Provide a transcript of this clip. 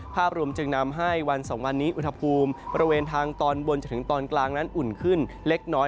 ภาพรวมจึงนำให้วันสองวันนี้อุณหภูมิบริเวณทางตอนบนจนถึงตอนกลางนั้นอุ่นขึ้นเล็กน้อย